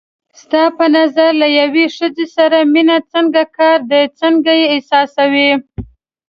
ستا په نظر له یوې ښځې سره مینه څنګه کار دی، څنګه یې احساسوې؟